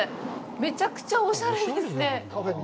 めちゃくちゃおしゃれですね。